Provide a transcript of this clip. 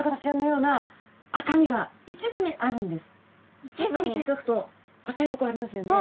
よく見ていただくと赤いとこありますよね。